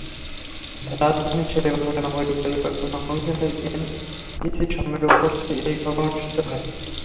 রাজধানীর শেরেবাংলা নগরের পরিকল্পনা কমিশনের এনইসি সম্মেলনকক্ষে এই সভা অনুষ্ঠিত হয়।